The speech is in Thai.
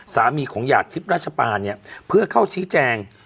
สามีของหยาดทิพย์ราชปาเนี่ยเพื่อเข้าชี้แจง